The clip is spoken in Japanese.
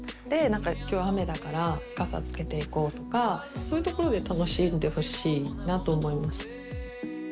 今日雨だから傘つけていこうとかそういうところで楽しんでほしいなと思います。